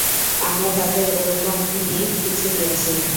আমরা তাদের এরকমই কিছু দিয়েছি।